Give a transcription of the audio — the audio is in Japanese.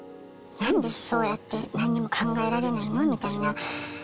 「何でそうやって何にも考えられないの？」